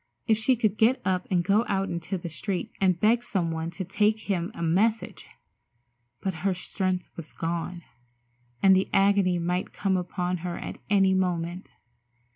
If she could get up and go out into the street and beg some one to take him a message! But her strength was gone, and the agony might come upon her at any moment.